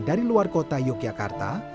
dari luar kota yogyakarta